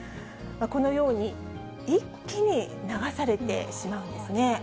このように、一気に流されてしまうんですね。